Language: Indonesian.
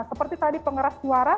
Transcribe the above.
seperti tadi pengeras suara